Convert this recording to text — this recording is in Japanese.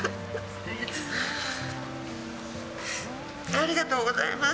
ありがとうございます。